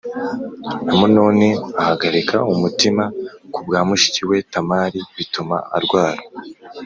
Amunoni ahagarika umutima ku bwa mushiki we Tamari bituma arwara